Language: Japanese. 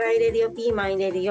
ピーマン入れるよって。